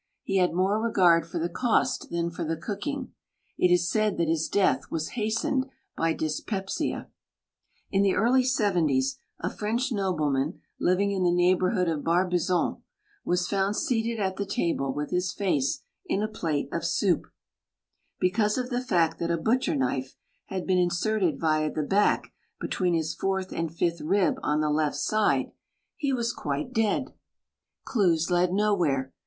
He had more regard fdr the cdst than for the cdoking; It is said that his death was hastenfed by dysplepsia; ^ 4 * S In the early seventies a FrfenCh ridblenian; living in the rieighborhdod of Bairbizdh, was found seated at the table with his face in a plate 6f soup; Because of the fact that a biitcher knife had been inserted via the back between his foiirth and fifth rib on the left side; he was quite [ix] INTRODUCTION dead. Clues led nowhere.